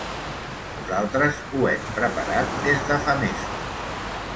Nosaltres ho hem preparat des de fa mesos.